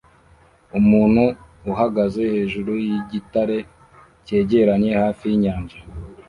Umuntu uhagaze hejuru yigitare cyegeranye hafi yinyanja